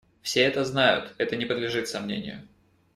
Все это знают; это не подлежит сомнению.